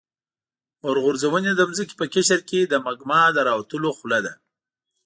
اورغورځونې د ځمکې په قشر کې د مګما د راوتلو خوله ده.